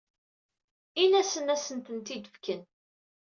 Ini-asen ad asent-tent-id-fken.